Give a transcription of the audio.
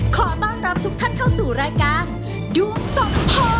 ขอต้อนรับทุกท่านเข้าสู่รายการดวงสมพร